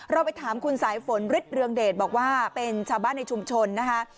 ไปถามคุณสายฝนฤทธิเรืองเดชบอกว่าเป็นชาวบ้านในชุมชนนะคะ